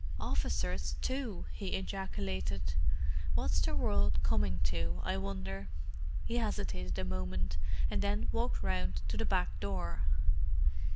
"Officers, too!" he ejaculated. "What's the world coming to, I wonder!" He hesitated a moment, and then walked round to the back door.